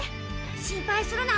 心配するな！